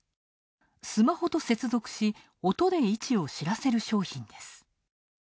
スマホと接続し、音で位置を知らせる商品です。